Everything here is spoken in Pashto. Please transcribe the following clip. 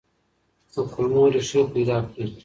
د کلمو ريښې پيدا کړئ.